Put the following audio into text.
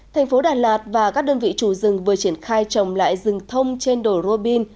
thành phố đà lạt và các đơn vị chủ rừng vừa triển khai trồng lại rừng thông trên đồi robin